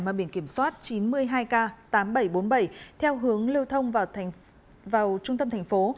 mà biển kiểm soát chín mươi hai k tám nghìn bảy trăm bốn mươi bảy theo hướng lưu thông vào trung tâm thành phố